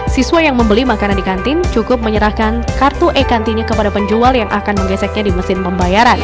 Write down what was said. siswa yang membeli makanan di kantin cukup menyerahkan kartu e kantinnya kepada penjual yang akan menggeseknya di mesin pembayaran